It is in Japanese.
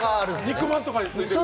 肉まんとかについてる。